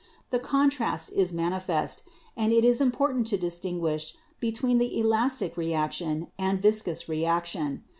"The contrast is manifest, and it is important to dis tinguish between elastic reaction and viscous reaction.